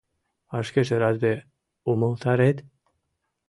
А шкеже разве умылтарет?..